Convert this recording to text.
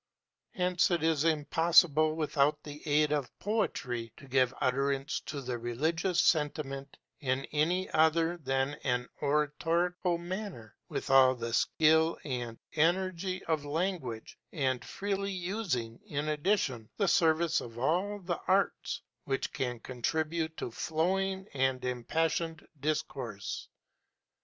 Hence it is impossible, without the aid of poetry, to give utterance to the religious sentiment in any other than an oratorical manner, with all the skill and energy of language, and freely using, in addition, the service of all the arts which can contribute to flowing and impassioned discourse.